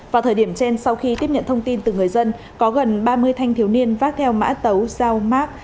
vào thời điểm trên sau khi tiếp nhận thông tin từ người dân có gần ba mươi thanh thiếu niên vác theo mã tấu dao mát